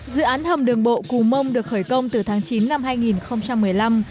dự án hầm đường bộ cù mông được khởi công từ tháng chín năm hai nghìn một mươi năm